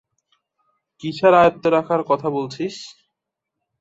কীসের আয়ত্তে রাখার কথা বলছিস?